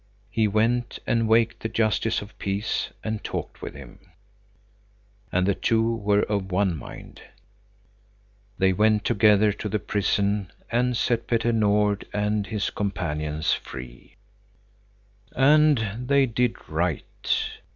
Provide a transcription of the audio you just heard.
He went and waked the justice of the peace, and talked with him. And the two were of one mind. They went together to the prison and set Petter Nord and his companions free. And they did right.